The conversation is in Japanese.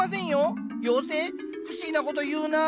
不思議なこと言うな。